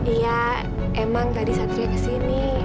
iya emang tadi satria kesini